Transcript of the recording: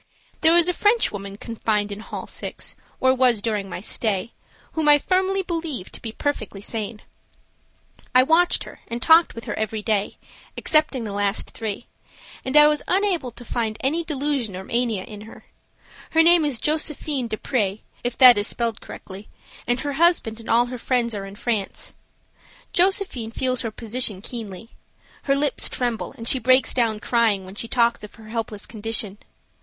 There is a Frenchwoman confined in hall 6, or was during my stay, whom I firmly believe to be perfectly sane. I watched her and talked with her every day, excepting the last three, and I was unable to find any delusion or mania in her. Her name is Josephine Despreau, if that is spelled correctly, and her husband and all her friends are in France. Josephine feels her position keenly. Her lips tremble, and she breaks down crying when she talks of her helpless condition.